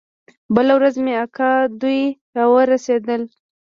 بله ورځ مې اکا دوى راورسېدل.